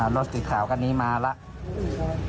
รถติดข่ากันนี้มาแล้ว